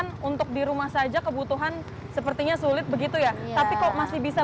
cuma untuk di rumah saja kebutuhan sepertinya sulit begitu ya tapi kok masih bisa